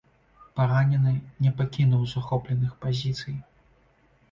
Паранены не пакінуў захопленых пазіцый.